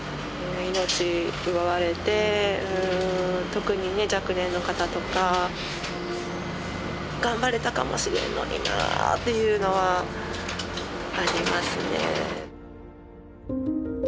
特にね若年の方とか頑張れたかもしれんのになっていうのはありますね。